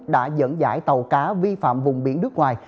đã dẫn dãi tàu cá vi phạm vùng biển nước ngoài